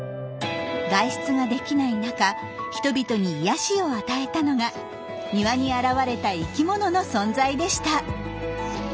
外出ができない中人々に癒やしを与えたのが庭に現れた生きものの存在でした。